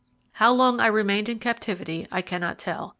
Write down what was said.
How long I remained in captivity I cannot tell.